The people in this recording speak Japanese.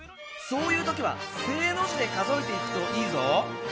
そういう時は「正」の字で数えていくといいぞ！